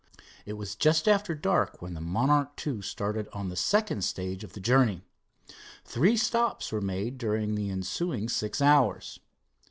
It was just after dark when the Monarch started on the second stage of the journey. Three stops were made during the ensuing six, hours.